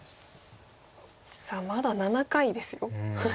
さあまだ７回ですよ。